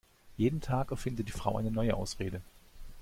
Jeden Tag erfindet die Frau eine neue Ausrede.